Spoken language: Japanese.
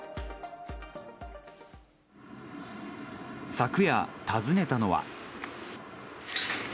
昨夜、訪ねたのは。